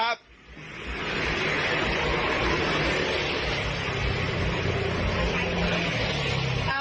มีคนอยู่ไหมครับ